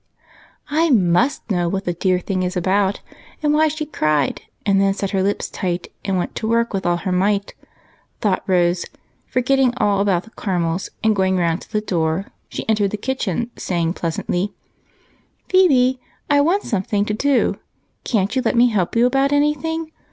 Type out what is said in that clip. "I must know what the dear thing is about, and why she cried, and then set her lips tight and went to work with all her might," thought Rose, forgetting all about the caramels, and, going round to the door, she entered the kitchen, saying pleasantly, —" Phebe, I want something to do. Can't you let me help you about any thing?